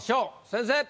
先生！